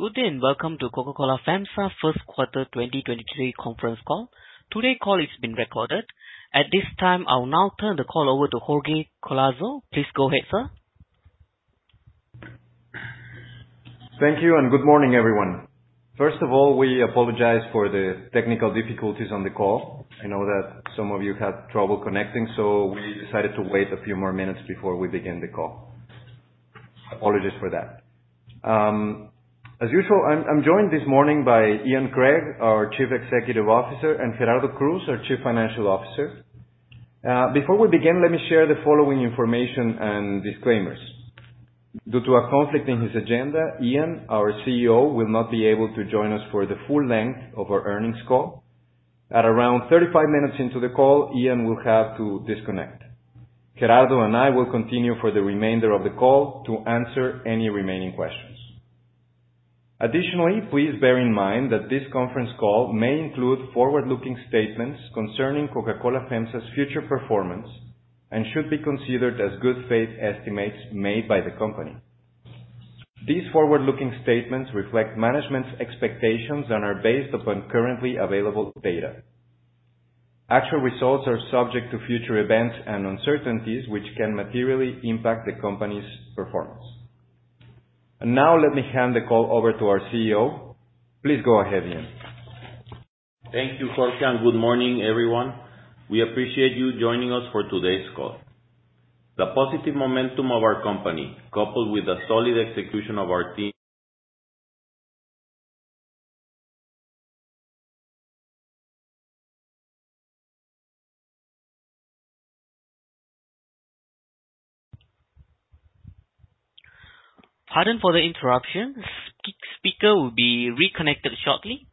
Good day, and welcome to Coca-Cola FEMSA first quarter 2023 conference call. Today call is being recorded. At this time, I will now turn the call over to Jorge Collazo. Please go ahead, sir. Thank you, and good morning, everyone. First of all, we apologize for the technical difficulties on the call. I know that some of you had trouble connecting. We decided to wait a few more minutes before we begin the call. Apologies for that. As usual, I'm joined this morning by Ian Craig, our Chief Executive Officer, and Gerardo Cruz, our Chief Financial Officer. Before we begin, let me share the following information and disclaimers. Due to a conflict in his agenda, Ian, our CEO, will not be able to join us for the full length of our earnings call. At around 35 minutes into the call, Ian will have to disconnect. Gerardo and I will continue for the remainder of the call to answer any remaining questions. Additionally, please bear in mind that this conference call may include forward-looking statements concerning Coca-Cola FEMSA's future performance and should be considered as good faith estimates made by the company. These forward-looking statements reflect management's expectations and are based upon currently available data. Actual results are subject to future events and uncertainties, which can materially impact the company's performance. Now let me hand the call over to our CEO. Please go ahead, Ian. Thank you, Jorge, and good morning, everyone. We appreciate you joining us for today's call. The positive momentum of our company, coupled with the solid execution of our team- Pardon for the interruption. Speaker will be reconnected shortly.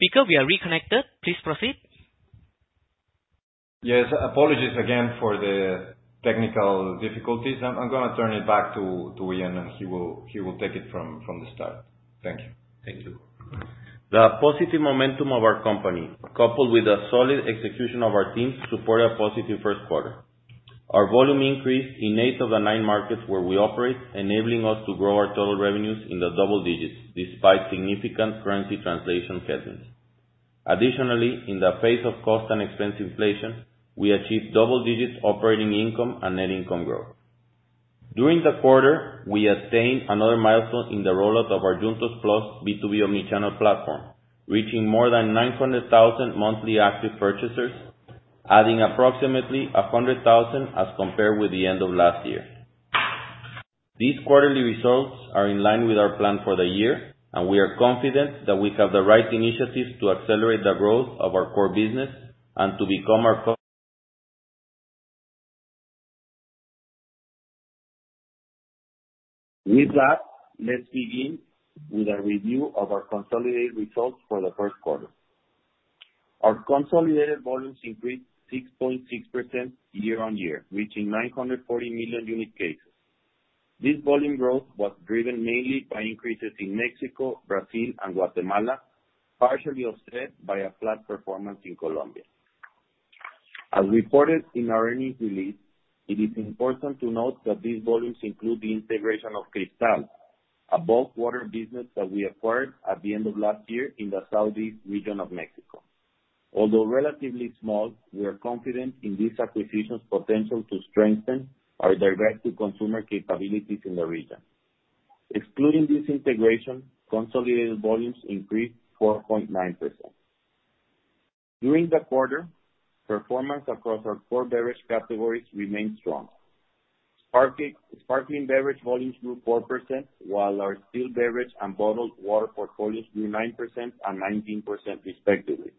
Speaker, we are reconnected. Please proceed. Yes. Apologies again for the technical difficulties. I'm gonna turn it back to Ian, and he will take it from the start. Thank you. Thank you. The positive momentum of our company, coupled with the solid execution of our teams, support a positive first quarter. Our volume increased in eight of the nine markets where we operate, enabling us to grow our total revenues in the double digits despite significant currency translation headwinds. Additionally, in the face of cost and expense inflation, we achieved double digits operating income and net income growth. During the quarter, we attained another milestone in the rollout of our Juntos+ B2B omnichannel platform, reaching more than 900,000 monthly active purchasers, adding approximately 100,000 as compared with the end of last year. These quarterly results are in line with our plan for the year. We are confident that we have the right initiatives to accelerate the growth of our core business. With that, let's begin with a review of our consolidated results for the first quarter. Our consolidated volumes increased 6.6% year-on-year, reaching 940 million unit cases. This volume growth was driven mainly by increases in Mexico, Brazil and Guatemala, partially offset by a flat performance in Colombia. As reported in our earnings release, it is important to note that these volumes include the integration of Cristal, a bulk water business that we acquired at the end of last year in the southeast region of Mexico. Although relatively small, we are confident in this acquisition's potential to strengthen our direct-to-consumer capabilities in the region. Excluding this integration, consolidated volumes increased 4.9%. During the quarter, performance across our core beverage categories remained strong. Sparkling beverage volumes grew 4%, while our still beverage and bottled water portfolios grew 9% and 19% respectively.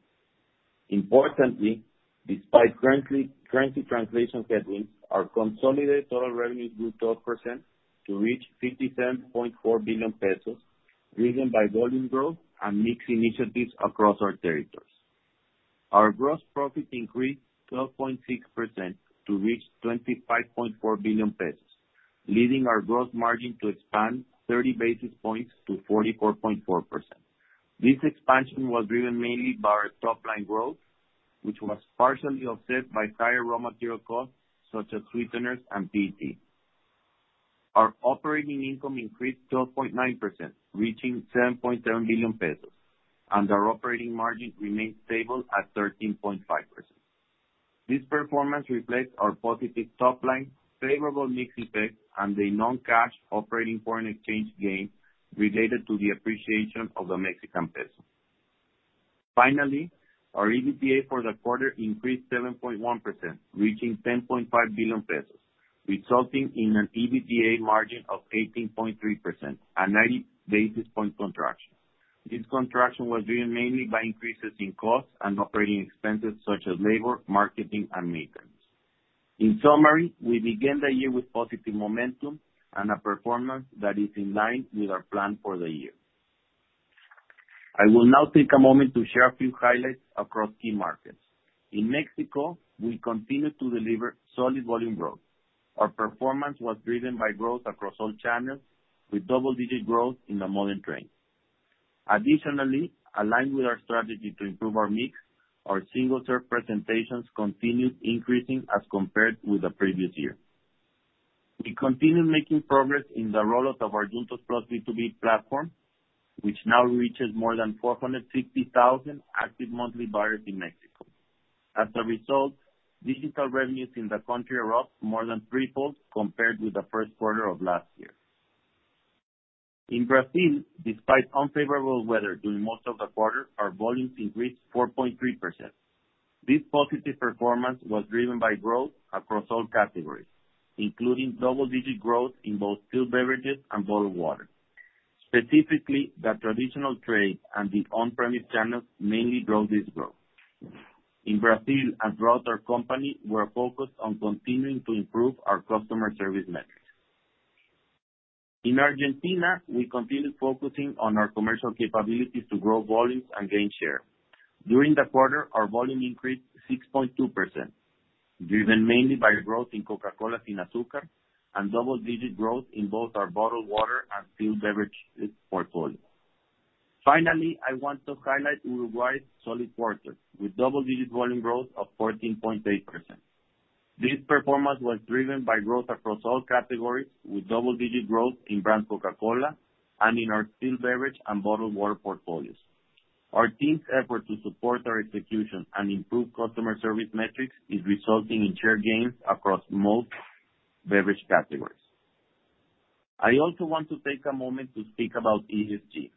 Importantly, despite currency translation headwinds, our consolidated total revenue grew 12% to reach 57.4 billion pesos, driven by volume growth and mix initiatives across our territories. Our gross profit increased 12.6% to reach 25.4 billion pesos, leading our gross margin to expand 30 basis points to 44.4%. This expansion was driven mainly by our top line growth, which was partially offset by higher raw material costs such as sweeteners and PET. Our operating income increased 12.9%, reaching 10.7 billion pesos, and our operating margin remained stable at 13.5%. This performance reflects our positive top line, favorable mix effect, and a non-cash operating foreign exchange gain related to the appreciation of the Mexican peso. Finally, our EBITDA for the quarter increased 7.1%, reaching 10.5 billion pesos, resulting in an EBITDA margin of 18.3%, a 90 basis point contraction. This contraction was driven mainly by increases in costs and operating expenses such as labor, marketing, and maintenance. In summary, we began the year with positive momentum and a performance that is in line with our plan for the year. I will now take a moment to share a few highlights across key markets. In Mexico, we continued to deliver solid volume growth. Our performance was driven by growth across all channels, with double-digit growth in the modern trade. Additionally, aligned with our strategy to improve our mix, our single serve presentations continued increasing as compared with the previous year. We continue making progress in the rollout of our Juntos+ B2B platform, which now reaches more than 460,000 active monthly buyers in Mexico. As a result, digital revenues in the country are up more than threefold compared with the first quarter of last year. In Brazil, despite unfavorable weather during most of the quarter, our volumes increased 4.3%. This positive performance was driven by growth across all categories, including double-digit growth in both still beverages and bottled water. Specifically, the traditional trade and the on-premise channels mainly drove this growth. In Brazil, across our company, we're focused on continuing to improve our customer service metrics. In Argentina, we continue focusing on our commercial capabilities to grow volumes and gain share. During the quarter, our volume increased 6.2%, driven mainly by growth in Coca-Cola Sin Azúcar and double-digit growth in both our bottled water and still beverages portfolio. I want to highlight Uruguay's solid quarter with double-digit volume growth of 14.8%. This performance was driven by growth across all categories, with double-digit growth in brand Coca-Cola and in our still beverage and bottled water portfolios. Our team's effort to support our execution and improve customer service metrics is resulting in share gains across most beverage categories. I also want to take a moment to speak about ESG.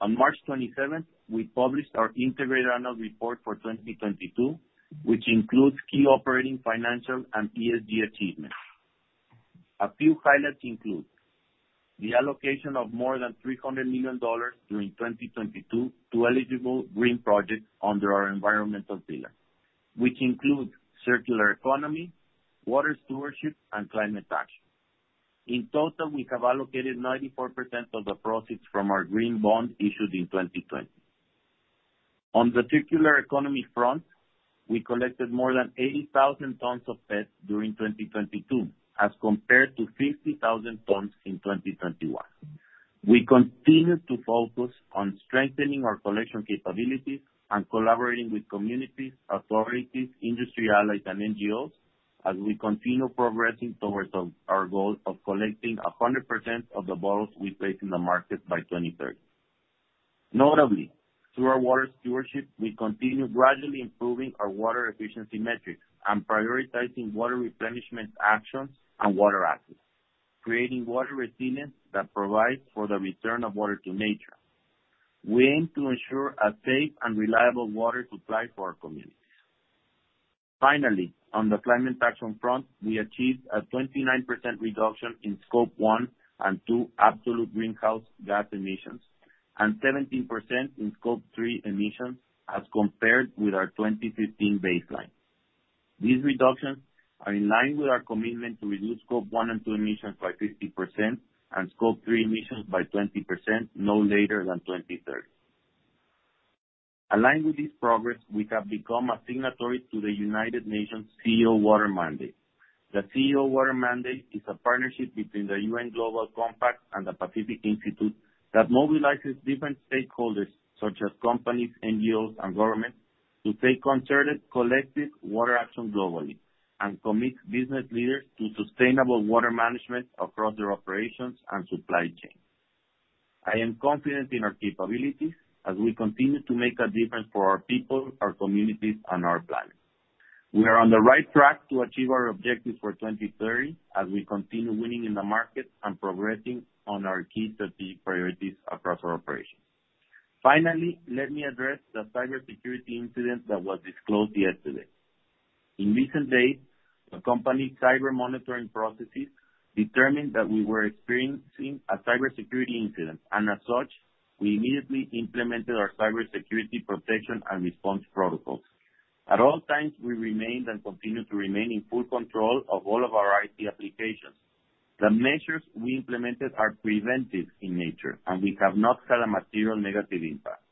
On March 27th, we published our integrated annual report for 2022, which includes key operating, financial, and ESG achievements. A few highlights include: the allocation of more than $300 million during 2022 to eligible green projects under our environmental pillar, which include circular economy, water stewardship, and climate action. In total, we have allocated 94% of the proceeds from our green bond issued in 2020. On the circular economy front, we collected more than 80,000 tons of PET during 2022, as compared to 50,000 tons in 2021. We continue to focus on strengthening our collection capabilities and collaborating with communities, authorities, industry allies, and NGOs as we continue progressing towards our goal of collecting 100% of the bottles we place in the market by 2030. Notably, through our water stewardship, we continue gradually improving our water efficiency metrics and prioritizing water replenishment actions and water access, creating water resilience that provides for the return of water to nature. We aim to ensure a safe and reliable water supply for our communities. Finally, on the climate action front, we achieved a 29% reduction in Scope 1 and 2 absolute greenhouse gas emissions and 17% in Scope 3 emissions as compared with our 2015 baseline. These reductions are in line with our commitment to reduce Scope 1 and 2 emissions by 50% and Scope 3 emissions by 20% no later than 2030. Aligned with this progress, we have become a signatory to the United Nations CEO Water Mandate. The CEO Water Mandate is a partnership between the UN Global Compact and the Pacific Institute that mobilizes different stakeholders such as companies, NGOs, and governments to take concerted collective water action globally and commit business leaders to sustainable water management across their operations and supply chains. I am confident in our capabilities as we continue to make a difference for our people, our communities, and our planet. We are on the right track to achieve our objectives for 2030 as we continue winning in the market and progressing on our key strategic priorities across our operations. Let me address the cybersecurity incident that was disclosed yesterday. In recent days, the company cyber monitoring processes determined that we were experiencing a cybersecurity incident, and as such, we immediately implemented our cybersecurity protection and response protocols. At all times we remained and continue to remain in full control of all of our IT applications. The measures we implemented are preventive in nature, and we have not had a material negative impact.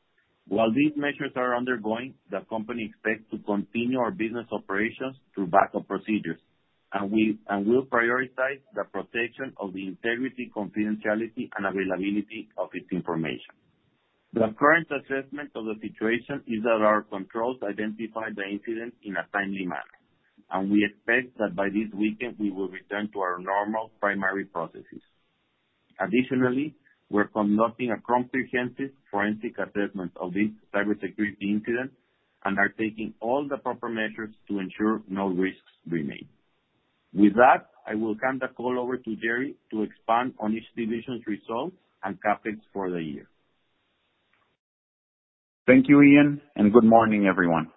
While these measures are undergoing, the company expects to continue our business operations through backup procedures. We will prioritize the protection of the integrity, confidentiality, and availability of its information. The current assessment of the situation is that our controls identified the incident in a timely manner, and we expect that by this weekend we will return to our normal primary processes. Additionally, we're conducting a comprehensive forensic assessment of this cybersecurity incident and are taking all the proper measures to ensure no risks remain. With that, I will turn the call over to Gerry to expand on each division's results and CapEx for the year. Thank you, Ian. Good morning, everyone.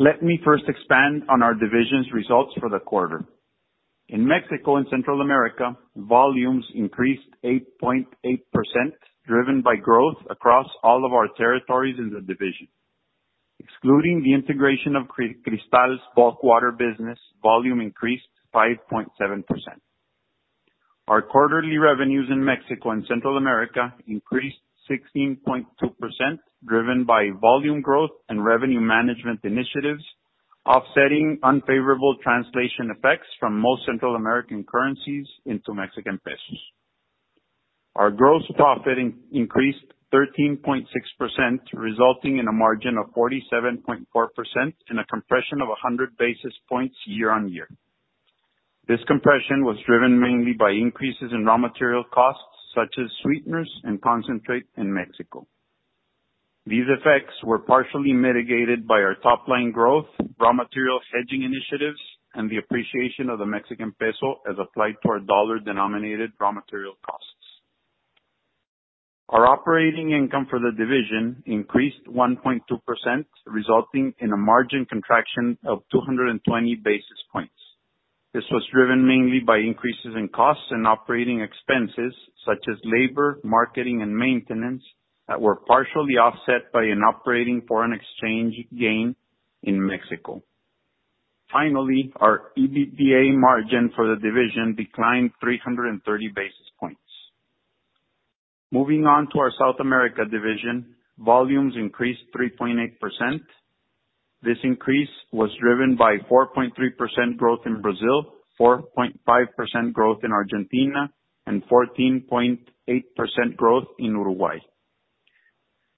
Let me first expand on our division's results for the quarter. In Mexico and Central America, volumes increased 8.8%, driven by growth across all of our territories in the division. Excluding the integration of Cristal's bulk water business, volume increased 5.7%. Our quarterly revenues in Mexico and Central America increased 16.2%, driven by volume growth and revenue management initiatives, offsetting unfavorable translation effects from most Central American currencies into Mexican pesos. Our gross profit increased 13.6%, resulting in a margin of 47.4% and a compression of 100 basis points year-on-year. This compression was driven mainly by increases in raw material costs such as sweeteners and concentrate in Mexico. These effects were partially mitigated by our top-line growth, raw material hedging initiatives, and the appreciation of the Mexican peso as applied to our dollar-denominated raw material costs. Our operating income for the division increased 1.2%, resulting in a margin contraction of 220 basis points. This was driven mainly by increases in costs and operating expenses such as labor, marketing, and maintenance that were partially offset by an operating foreign exchange gain in Mexico. Finally, our EBITDA margin for the division declined 330 basis points. Moving on to our South America division, volumes increased 3.8%. This increase was driven by 4.3% growth in Brazil, 4.5% growth in Argentina, and 14.8% growth in Uruguay.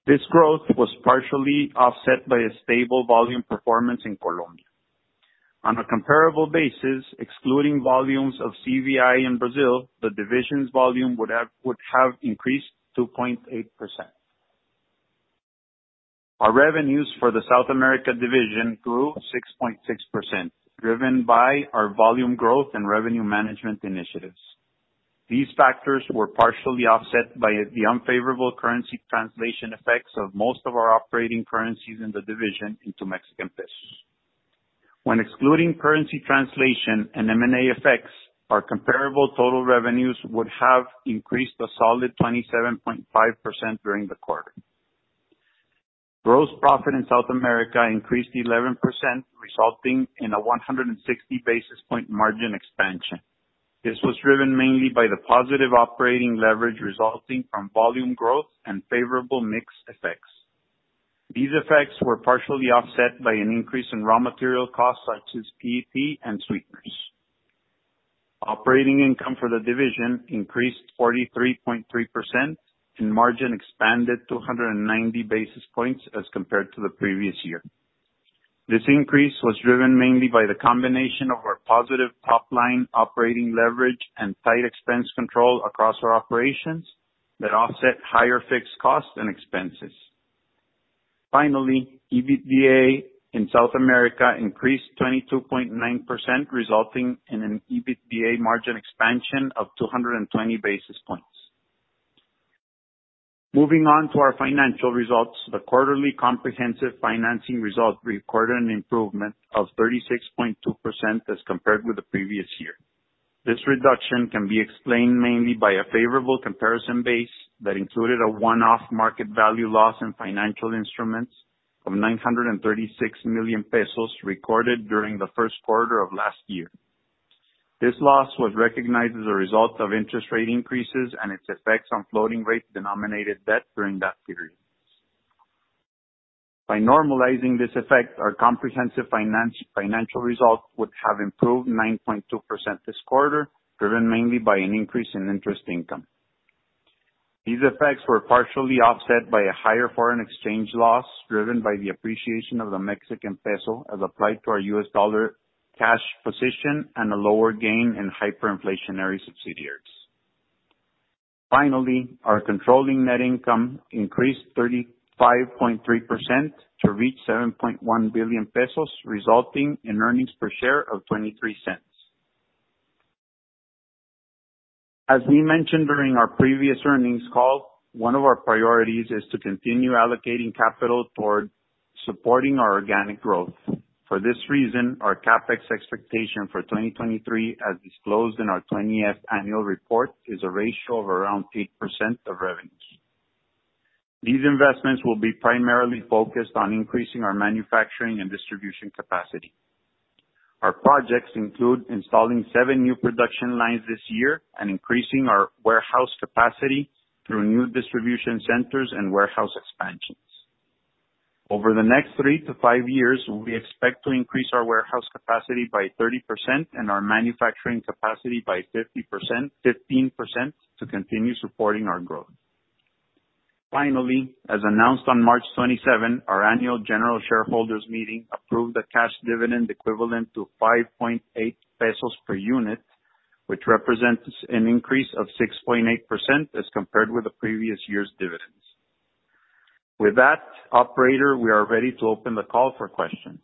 This growth was partially offset by a stable volume performance in Colombia. On a comparable basis, excluding volumes of CVI in Brazil, the division's volume would have increased 2.8%. Our revenues for the South America division grew 6.6%, driven by our volume growth and revenue management initiatives. These factors were partially offset by the unfavorable currency translation effects of most of our operating currencies in the division into Mexican pesos. When excluding currency translation and M&A effects, our comparable total revenues would have increased a solid 27.5% during the quarter. Gross profit in South America increased 11%, resulting in a 160 basis point margin expansion. This was driven mainly by the positive operating leverage resulting from volume growth and favorable mix effects. These effects were partially offset by an increase in raw material costs such as PET and sweeteners. Operating income for the division increased 43.3%. Margin expanded 290 basis points as compared to the previous year. This increase was driven mainly by the combination of our positive top-line operating leverage and tight expense control across our operations that offset higher fixed costs and expenses. EBITDA in South America increased 22.9%, resulting in an EBITDA margin expansion of 220 basis points. Moving on to our financial results, the quarterly comprehensive financing result recorded an improvement of 36.2% as compared with the previous year. This reduction can be explained mainly by a favorable comparison base that included a one-off market value loss in financial instruments of 936 million pesos recorded during the first quarter of last year. This loss was recognized as a result of interest rate increases and its effects on floating rate denominated debt during that period. By normalizing this effect, our comprehensive financial results would have improved 9.2% this quarter, driven mainly by an increase in interest income. These effects were partially offset by a higher foreign exchange loss, driven by the appreciation of the Mexican peso as applied to our U.S. dollar cash position and a lower gain in hyperinflationary subsidiaries. Finally, our controlling net income increased 35.3% to reach 7.1 billion pesos, resulting in earnings per share of $0.23. As we mentioned during our previous earnings call, one of our priorities is to continue allocating capital toward supporting our organic growth. For this reason, our CapEx expectation for 2023, as disclosed in our 20th annual report, is a ratio of around 8% of revenues. These investments will be primarily focused on increasing our manufacturing and distribution capacity. Our projects include installing seven new production lines this year and increasing our warehouse capacity through new distribution centers and warehouse expansions. Over the next 3-5 years, we expect to increase our warehouse capacity by 30% and our manufacturing capacity by 15% to continue supporting our growth. Finally, as announced on March 27, our annual general shareholders meeting approved a cash dividend equivalent to 5.8 pesos per unit, which represents an increase of 6.8% as compared with the previous year's dividends. With that, operator, we are ready to open the call for questions.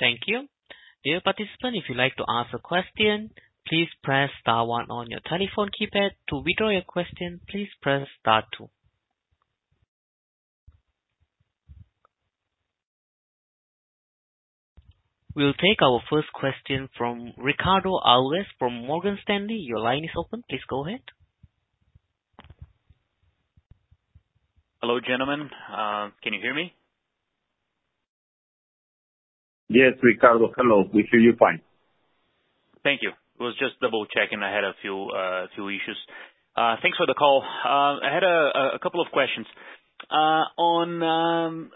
Thank you. Dear participant, if you'd like to ask a question, please press star one on your telephone keypad. To withdraw your question, please press star two. We'll take our first question from Ricardo Alves from Morgan Stanley. Your line is open, please go ahead. Hello, gentlemen. Can you hear me? Yes, Ricardo. Hello. We hear you fine. Thank you. Was just double-checking. I had a few issues. Thanks for the call. I had a couple of questions. On,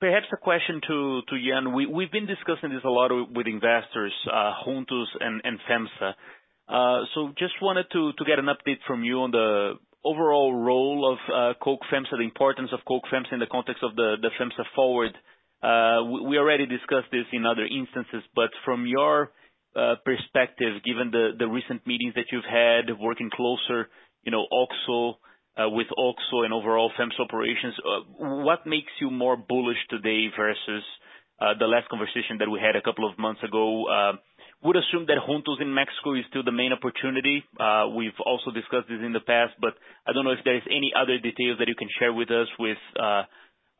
perhaps a question to Ian. We've been discussing this a lot with investors, Juntos+ and FEMSA. Just wanted to get an update from you on the overall role of Coca-Cola FEMSA, the importance of Coca-Cola FEMSA in the context of the FEMSA Forward. We already discussed this in other instances, but from your perspective, given the recent meetings that you've had working closer, you know, OXXO, with OXXO and overall FEMSA operations, what makes you more bullish today versus the last conversation that we had a couple of months ago? Would assume that Juntos+ in Mexico is still the main opportunity. We've also discussed this in the past. I don't know if there is any other details that you can share with us with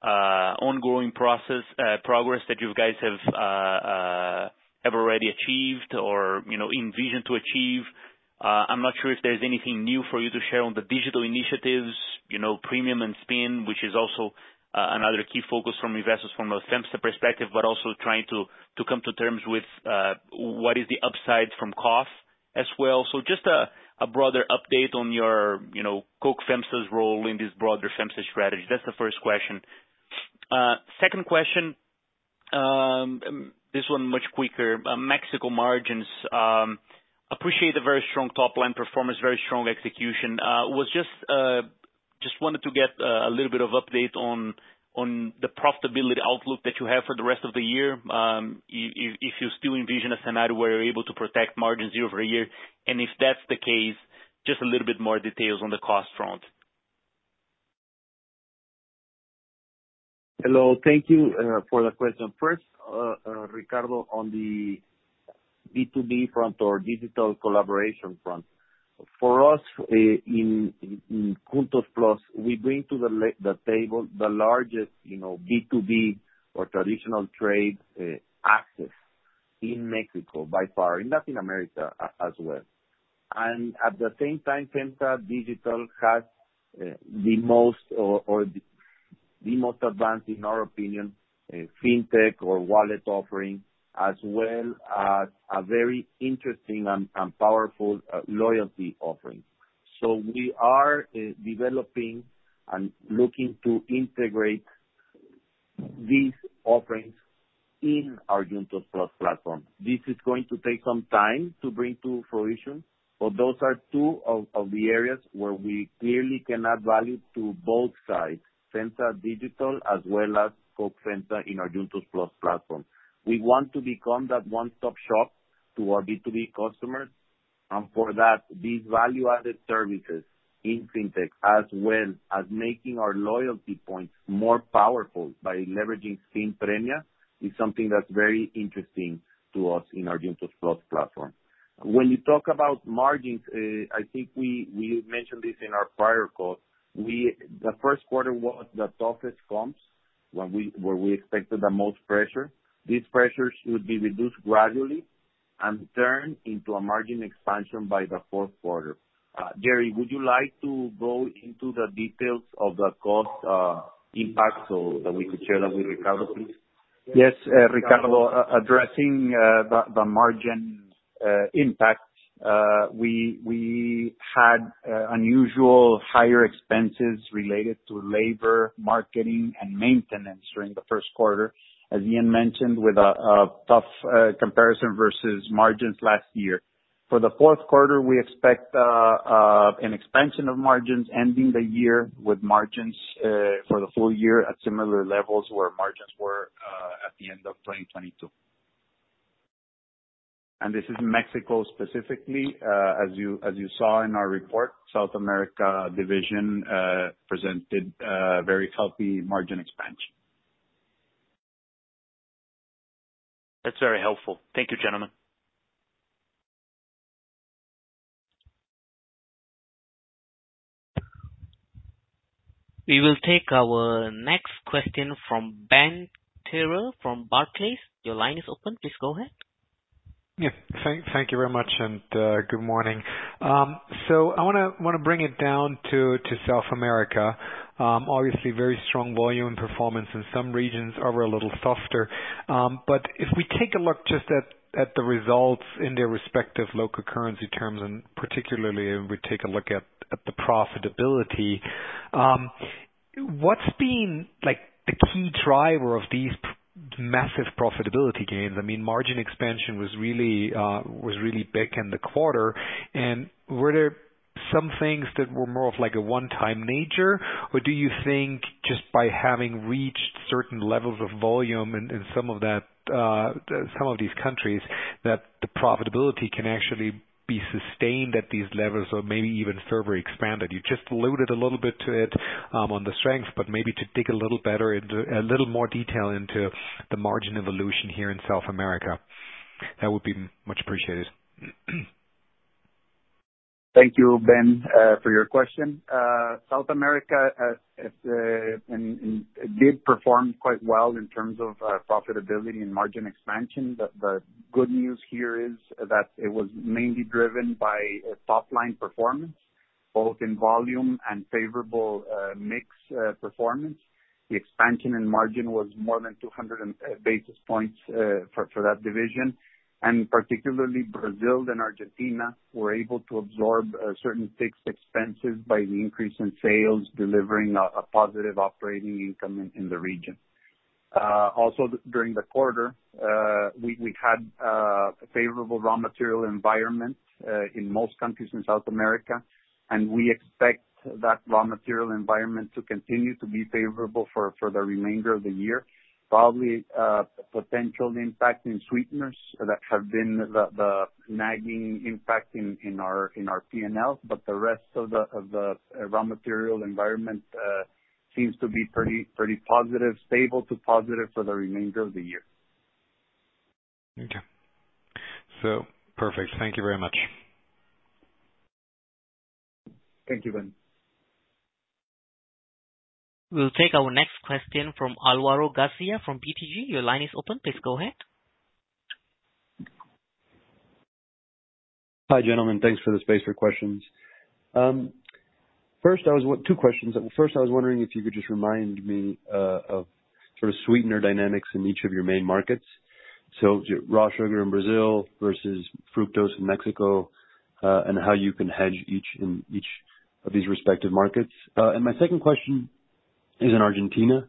ongoing process, progress that you guys have already achieved or, you know, envision to achieve. I'm not sure if there's anything new for you to share on the digital initiatives, you know, premium and spin, which is also another key focus from investors from a FEMSA perspective, also trying to come to terms with what is the upside from cost as well. Just a broader update on your, you know, Coca-Cola FEMSA's role in this broader FEMSA strategy. That's the first question. Second question, this one much quicker. Mexico margins. Appreciate the very strong top line performance, very strong execution. Was just, just wanted to get a little bit of update on the profitability outlook that you have for the rest of the year. If you still envision a scenario where you're able to protect margins year-over-year, if that's the case, just a little bit more details on the cost front? Hello. Thank you for the question. First, Ricardo, on the B2B front or digital collaboration front. For us, in Juntos+, we bring to the table the largest, you know, B2B or traditional trade access in Mexico by far, in Latin America as well. At the same time, FEMSA Digital has the most or the most advanced, in our opinion, fintech or wallet offering, as well as a very interesting and powerful loyalty offering. We are developing and looking to integrate these offerings in our Juntos+ platform. This is going to take some time to bring to fruition, but those are two of the areas where we clearly can add value to both sides, FEMSA Digital as well as Coke FEMSA in our Juntos+ platform. We want to become that one-stop shop to our B2B customers. For that, these value-added services in fintech, as well as making our loyalty points more powerful by leveraging Spin Premia, is something that's very interesting to us in our Juntos+ platform. When you talk about margins, I think we mentioned this in our prior call. The first quarter was the toughest comps where we expected the most pressure. These pressures should be reduced gradually and turn into a margin expansion by the fourth quarter. Gerry, would you like to go into the details of the cost impact so that we could share that with Ricardo, please? Yes, Ricardo, addressing the margin impact, we had unusual higher expenses related to labor, marketing, and maintenance during the first quarter, as Ian mentioned, with a tough comparison versus margins last year. For the fourth quarter, we expect an expansion of margins ending the year with margins for the full year at similar levels where margins were at the end of 2022. This is Mexico specifically. As you saw in our report, South America division presented a very healthy margin expansion. That's very helpful. Thank you, gentlemen. We will take our next question from Ben Theurer from Barclays. Your line is open. Please go ahead. Thank you very much and good morning. I wanna bring it down to South America. Obviously, very strong volume performance in some regions, other a little softer. If we take a look just at the results in their respective local currency terms, and particularly if we take a look at the profitability, what's been, like, the key driver of these massive profitability gains? I mean, margin expansion was really big in the quarter, and were there some things that were more of, like, a one-time nature? Do you think just by having reached certain levels of volume in some of that, some of these countries that the profitability can actually be sustained at these levels or maybe even further expanded? You just alluded a little bit to it on the strength. Maybe to dig a little better into a little more detail into the margin evolution here in South America. That would be much appreciated. Thank you, Ben, for your question. South America, it did perform quite well in terms of profitability and margin expansion. The good news here is that it was mainly driven by a top-line performance, both in volume and favorable mix performance. The expansion in margin was more than 200 basis points for that division. Particularly Brazil and Argentina were able to absorb certain fixed expenses by the increase in sales, delivering a positive operating income in the region. Also during the quarter, we had a favorable raw material environment in most countries in South America, and we expect that raw material environment to continue to be favorable for the remainder of the year. Probably, potential impact in sweeteners that have been the nagging impact in our P&L. The rest of the raw material environment seems to be pretty positive, stable to positive for the remainder of the year. Okay. Perfect. Thank you very much. Thank you, Ben. We'll take our next question from Alvaro Garcia from BTG. Your line is open. Please go ahead. Hi, gentlemen. Thanks for the space for questions. two questions. First, I was wondering if you could just remind me of sort of sweetener dynamics in each of your main markets, so raw sugar in Brazil versus fructose in Mexico, and how you can hedge in each of these respective markets. My second question is in Argentina.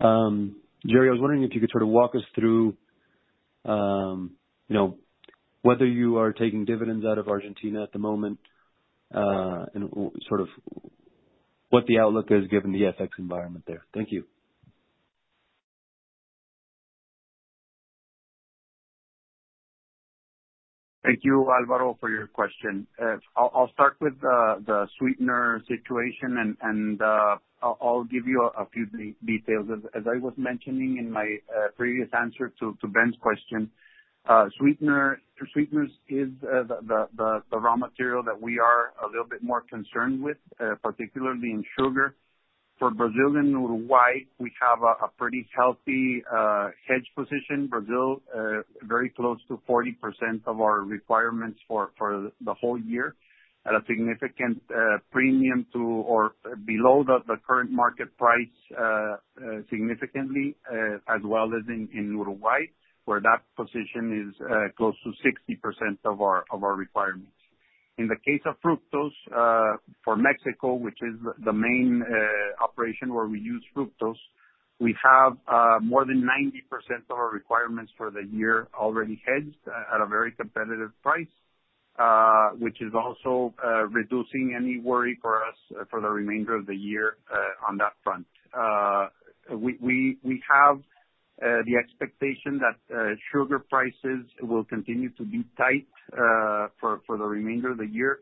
Gerry, I was wondering if you could sort of walk us through, you know, whether you are taking dividends out of Argentina at the moment, and sort of what the outlook is given the FX environment there. Thank you. Thank you, Alvaro, for your question. I'll start with the sweetener situation, and I'll give you a few details. As I was mentioning in my previous answer to Ben's question, sweeteners is the raw material that we are a little bit more concerned with, particularly in sugar. For Brazil and Uruguay, we have a pretty healthy hedge position. Brazil, very close to 40% of our requirements for the whole year at a significant premium to or below the current market price, significantly, as well as in Uruguay, where that position is close to 60% of our requirements. In the case of fructose, for Mexico, which is the main operation where we use fructose, we have more than 90% of our requirements for the year already hedged at a very competitive price, which is also reducing any worry for us for the remainder of the year on that front. We have the expectation that sugar prices will continue to be tight for the remainder of the year,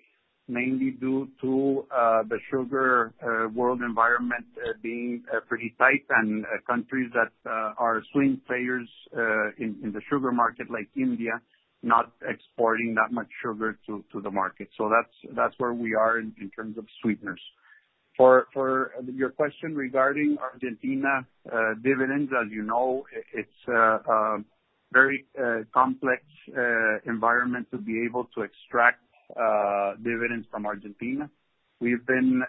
mainly due to the sugar world environment being pretty tight and countries that are swing players in the sugar market like India, not exporting that much sugar to the market. That's, that's where we are in terms of sweeteners. For your question regarding Argentina, dividends, as you know, it's a very complex environment to be able to extract dividends from Argentina. We've been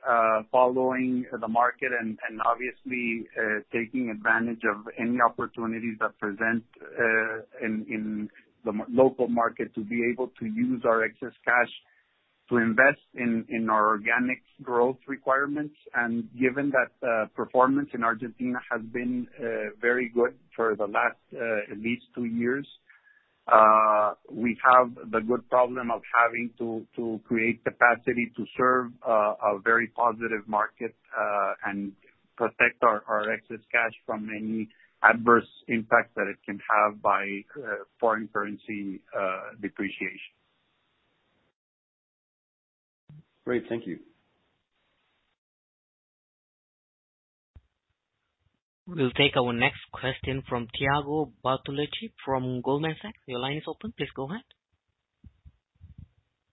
following the market and obviously, taking advantage of any opportunities that present in the local market to be able to use our excess cash to invest in our organic growth requirements. Given that, performance in Argentina has been very good for the last, at least 2 years, we have the good problem of having to create capacity to serve a very positive market, and protect our excess cash from any adverse impact that it can have by foreign currency depreciation. Great. Thank you. We'll take our next question from Thiago Bortoluci from Goldman Sachs. Your line is open. Please go ahead.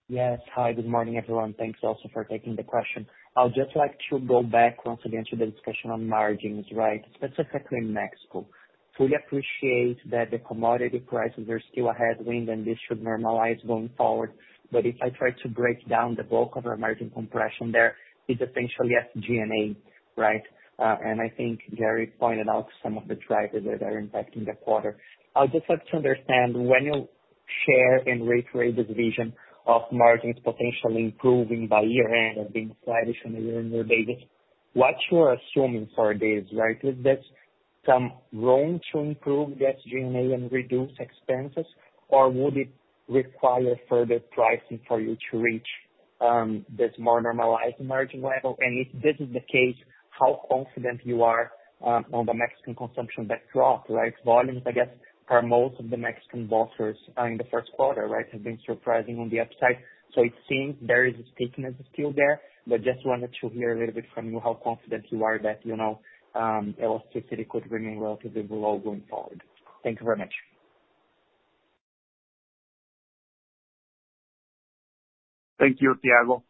Yes. Hi, good morning, everyone. Thanks also for taking the question. I would just like to go back once again to the discussion on margins, right? Specifically in Mexico. Fully appreciate that the commodity prices are still a headwind and this should normalize going forward. If I try to break down the bulk of our margin compression there, it's essentially SG&A, right? I think Gerry pointed out some of the drivers that are impacting the quarter. I would just like to understand when you share and reiterate the vision of margins potentially improving by year-end and being traditionally in your data, what you're assuming for this, right, is that some room to improve the SG&A and reduce expenses, or would it require further pricing for you to reach this more normalized margin level? If this is the case, how confident you are on the Mexican consumption that dropped. Right? Volumes, I guess, for most of the Mexican bottlers are in the first quarter, right, have been surprising on the upside. It seems there is a stickiness still there. Just wanted to hear a little bit from you how confident you are that, you know, elasticity could remain relatively low going forward. Thank you very much. Thank you, Thiago.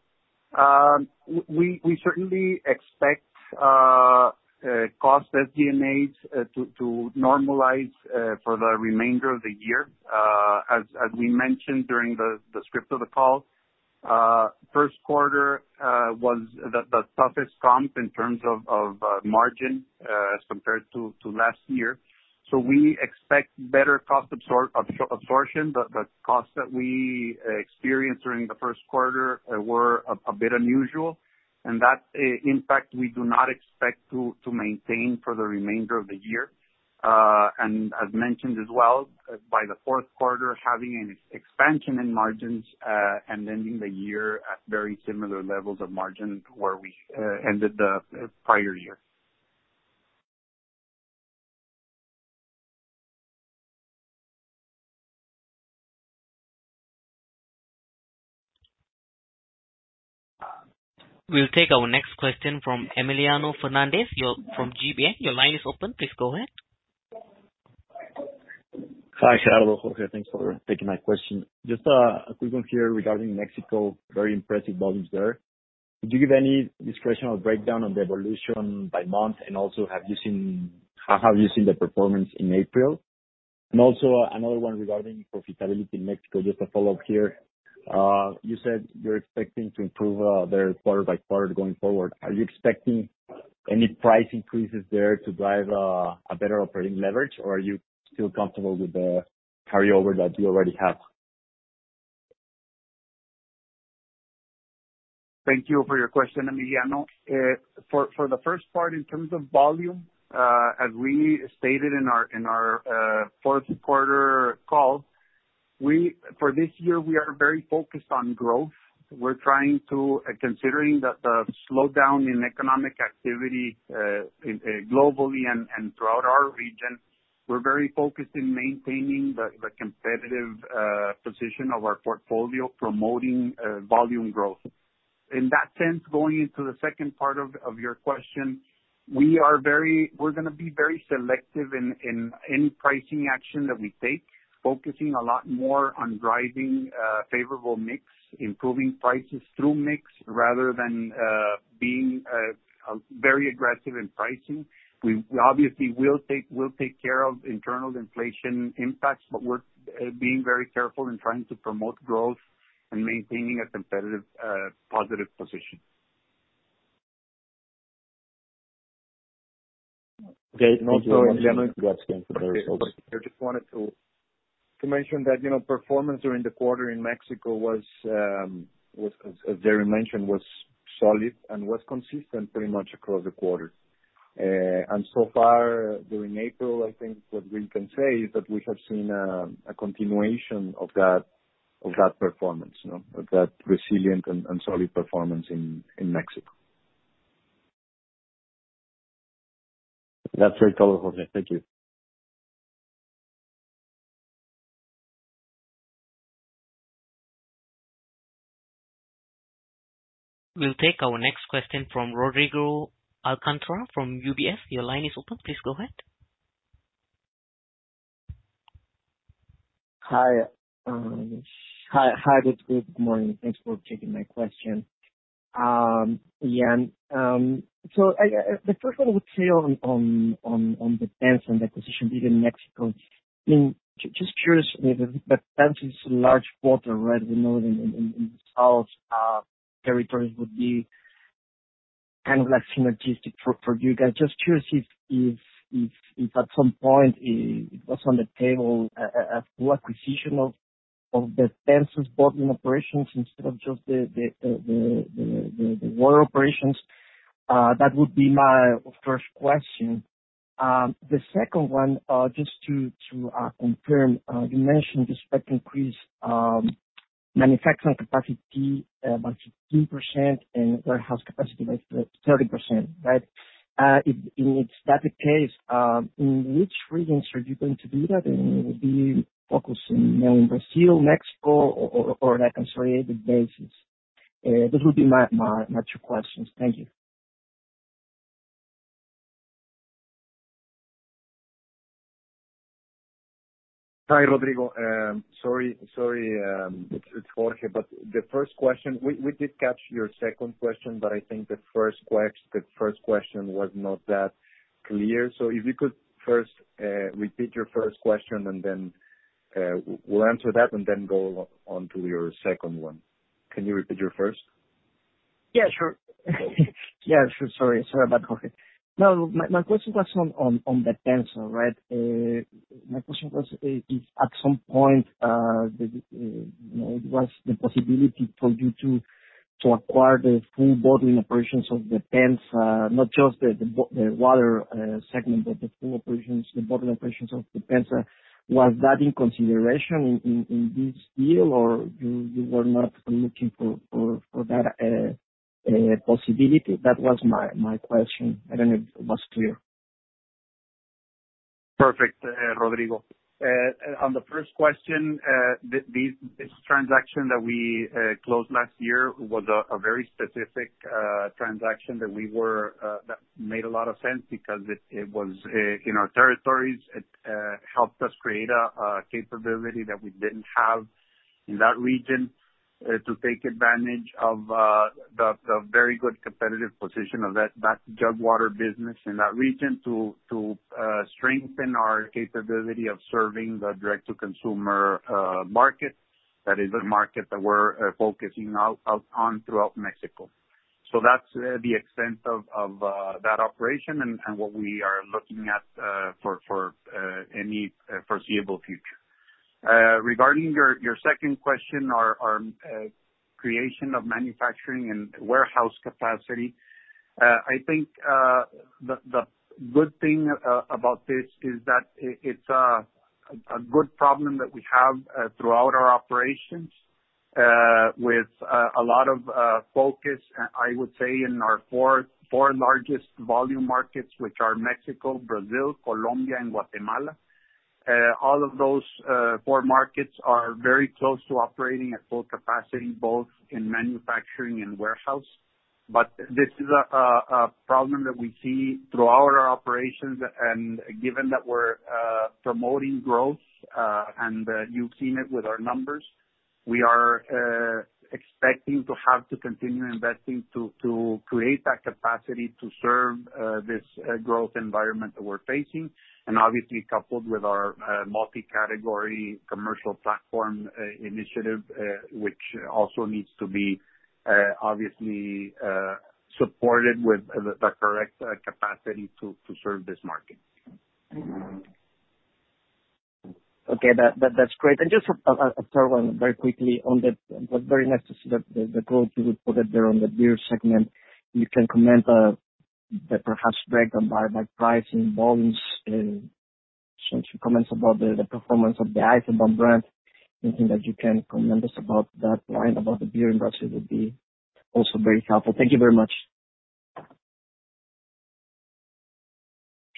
We certainly expect cost SG&As to normalize for the remainder of the year. As we mentioned during the script of the call, first quarter was the toughest comp in terms of margin as compared to last year. We expect better cost absorption. The costs that we experienced during the first quarter were a bit unusual. That, in fact, we do not expect to maintain for the remainder of the year. As mentioned as well, by the fourth quarter, having an expansion in margins and ending the year at very similar levels of margin to where we ended the prior year. We'll take our next question from Emiliano Hernández, from GBM. Your line is open. Please go ahead. Hi, Gerardo, Jorge. Thanks for taking my question. Just a quick one here regarding Mexico. Very impressive volumes there. Could you give any discretional breakdown on the evolution by month, and also have you seen how are you seeing the performance in April? Also another one regarding profitability in Mexico, just to follow up here. You said you're expecting to improve there quarter by quarter going forward. Are you expecting any price increases there to drive a better operating leverage, or are you still comfortable with the carryover that you already have? Thank you for your question, Emiliano. For the first part, in terms of volume, as we stated in our fourth quarter call, for this year, we are very focused on growth. Considering that the slowdown in economic activity globally and throughout our region, we're very focused in maintaining the competitive position of our portfolio, promoting volume growth. In that sense, going into the second part of your question, we're gonna be very selective in any pricing action that we take, focusing a lot more on driving favorable mix, improving prices through mix rather than being very aggressive in pricing. We obviously we'll take care of internal inflation impacts, but we're being very careful in trying to promote growth and maintaining a competitive, positive position. Okay. Thank you. I just wanted to mention that, you know, performance during the quarter in Mexico was, as Gerry mentioned, was solid and was consistent pretty much across the quarter. So far during April, I think what we can say is that we have seen a continuation of that performance. You know, of that resilient and solid performance in Mexico. That's very clear, Jorge. Thank you. We'll take our next question from Rodrigo Alcantara from UBS. Your line is open. Please go ahead. Hi. Good morning. Thanks for taking my question. The first one I would say on Bepensa acquisition deal in Mexico. Just curious, Bepensa is a large bottler, right? We know in the South territories would be kind of like synergistic for you guys. Just curious if at some point it was on the table a full acquisition of Bepensa's bottling operations instead of just the water operations. That would be my first question. The second one, just to confirm, you mentioned you expect to increase manufacturing capacity about 15% and warehouse capacity by 30%, right? If that's the case, in which regions are you going to do that? Will you be focusing more in Brazil, Mexico or like on survey-based? Those would be my two questions. Thank you. Hi, Rodrigo. Sorry, it's Jorge. We did catch your second question, but I think the first question was not that clear. If you could first repeat your first question and then we'll answer that and then go on to your second one. Can you repeat your first? Yeah, sure. Yeah, sure, sorry. Sorry about that. My, my question was on, on Bepensa, right? My question was, if at some point, you know, what's the possibility for you to acquire the full bottling operations of Bepensa, not just the water segment, but the full operations, the bottling operations of Bepensa? Was that in consideration in, in this deal, or you were not looking for, for that possibility? That was my question. I don't know if it was clear. Perfect, Rodrigo. On the first question. This transaction that we closed last year was a very specific transaction that we were that made a lot of sense because it was in our territories. It helped us create a capability that we didn't have in that region to take advantage of the very good competitive position of that jug water business in that region to strengthen our capability of serving the direct-to-consumer market. That is the market that we're focusing now on throughout Mexico. That's the extent of that operation and what we are looking at for any foreseeable future. Regarding your second question on creation of manufacturing and warehouse capacity, I think the good thing about this is that it's a good problem that we have throughout our operations, with a lot of focus, I would say in our four largest volume markets, which are Mexico, Brazil, Colombia and Guatemala. All of those four markets are very close to operating at full capacity, both in manufacturing and warehouse. This is a problem that we see throughout our operations. Given that we're promoting growth, and you've seen it with our numbers, we are expecting to have to continue investing to create that capacity to serve this growth environment that we're facing. Obviously coupled with our multi-category commercial platform initiative, which also needs to be obviously supported with the correct capacity to serve this market. Okay. That's great. Just a third one very quickly on the... Was very nice to see the growth you reported there on the beer segment. You can comment that perhaps driven by price and volumes and some comments about the performance of the Eisenbahn brand. Anything that you can comment us about that line, about the beer in Brazil would be also very helpful. Thank you very much.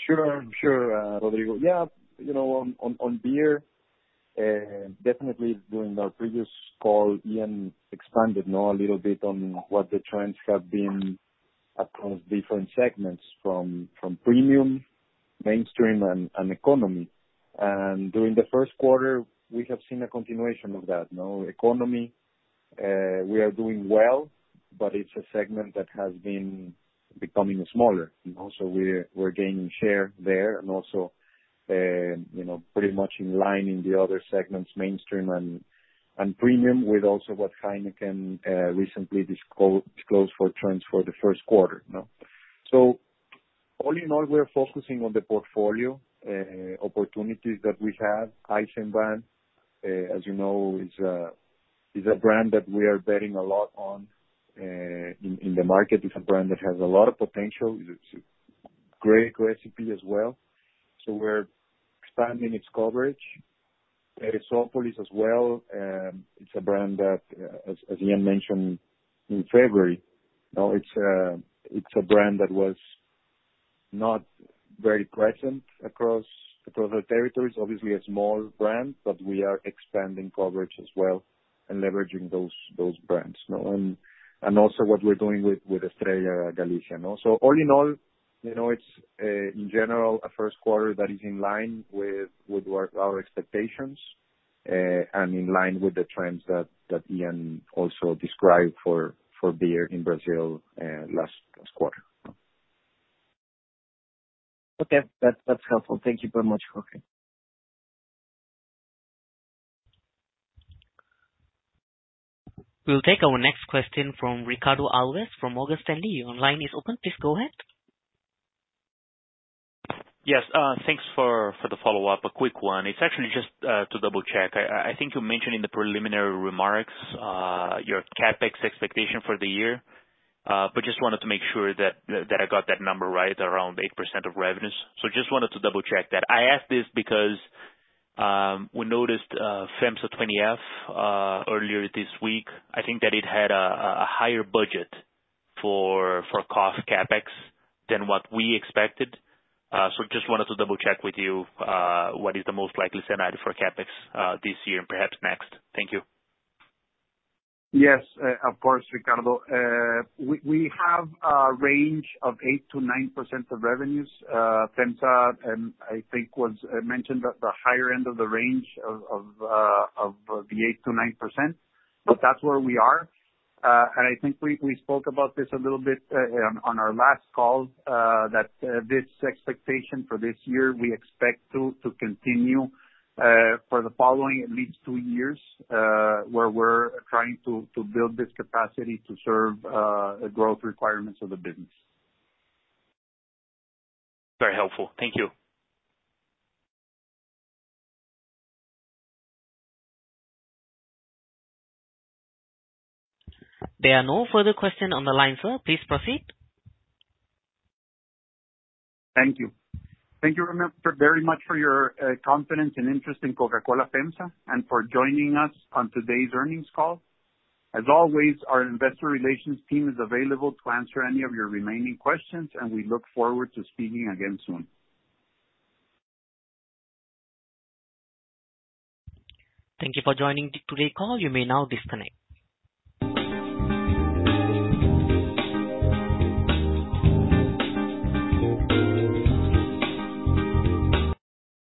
Sure. Sure, Rodrigo. Yeah. You know, on beer, definitely during our previous call, Ian expanded a little bit on what the trends have been across different segments from premium, mainstream, and economy. During the first quarter, we have seen a continuation of that, you know? Economy, we are doing well, but it's a segment that has been becoming smaller. You know, we're gaining share there and also, you know, pretty much in line in the other segments, mainstream and premium with also what Heineken recently disclosed for trends for the first quarter, you know? All in all, we're focusing on the portfolio opportunities that we have. Eisenbahn brand, as you know, is a brand that we are betting a lot on in the market. It's a brand that has a lot of potential. It's a great recipe as well. We're expanding its coverage. Therezópolis as well, it's a brand that as Ian mentioned in February, you know, it's a brand that was not very present across the territories. Obviously, a small brand, but we are expanding coverage as well and leveraging those brands, you know. Also what we're doing with Estrella Galicia, you know. All in all, you know, it's in general a first quarter that is in line with our expectations and in line with the trends that Ian also described for beer in Brazil last quarter. Okay. That's helpful. Thank you very much, Jorge. We'll take our next question from Ricardo Alves from Morgan Stanley. Your line is open. Please go ahead. Yes. Thanks for the follow-up. A quick one. It's actually just to double-check. I think you mentioned in the preliminary remarks, your CapEx expectation for the year. Just wanted to make sure that I got that number right, around 8% of revenues. Just wanted to double-check that. I ask this because we noticed FEMSA 20-F earlier this week. I think that it had a higher budget for KOF CapEx than what we expected. Just wanted to double-check with you what is the most likely scenario for CapEx this year and perhaps next. Thank you. Yes, of course, Ricardo. We have a range of 8%-9% of revenues. FEMSA, I think was mentioned at the higher end of the range of the 8%-9%, but that's where we are. I think we spoke about this a little bit on our last call, that this expectation for this year, we expect to continue for the following at least 2 years, where we're trying to build this capacity to serve the growth requirements of the business. Very helpful. Thank you. There are no further question on the line, sir. Please proceed. Thank you. Thank you very much for your confidence and interest in Coca-Cola FEMSA, and for joining us on today's earnings call. As always, our investor relations team is available to answer any of your remaining questions, and we look forward to speaking again soon. Thank you for joining today's call. You may now disconnect.